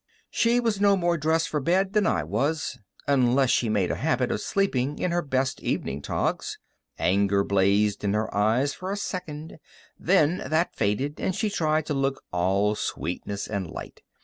She was no more dressed for bed than I was, unless she made a habit of sleeping in her best evening togs. Anger blazed in her eyes for a second, then that faded, and she tried to look all sweetness and light.